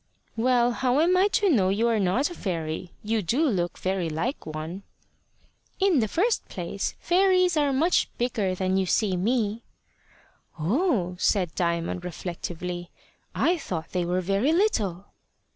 "Well, how am I to know you are not a fairy? You do look very like one." "In the first place, fairies are much bigger than you see me." "Oh!" said Diamond reflectively; "I thought they were very little."